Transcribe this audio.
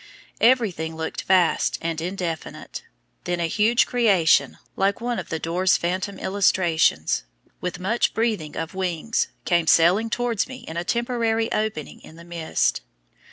Everything looked vast and indefinite. Then a huge creation, like one of Dore's phantom illustrations, with much breathing of wings, came sailing towards me in a temporary opening in the mist.